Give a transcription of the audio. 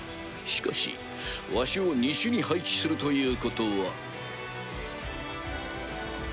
しかしわしを西に配置するということは。